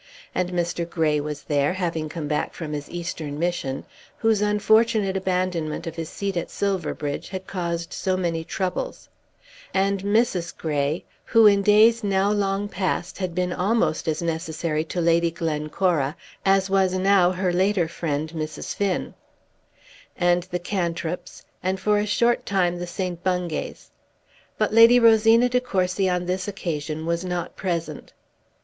And Mr. Grey was there, having come back from his eastern mission, whose unfortunate abandonment of his seat at Silverbridge had caused so many troubles, and Mrs. Grey, who in days now long passed had been almost as necessary to Lady Glencora as was now her later friend Mrs. Finn, and the Cantrips, and for a short time the St. Bungays. But Lady Rosina De Courcy on this occasion was not present.